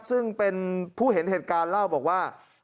ซึ่งเป็นผู้เห็นเหตุการณ์เล่าบอกว่า